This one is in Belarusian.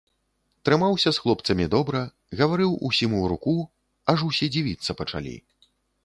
Трымаўся з хлопцамі добра, гаварыў усім у руку, аж усе дзівіцца пачалі.